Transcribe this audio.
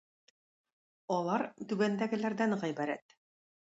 Алар түбәндәгеләрдән гыйбарәт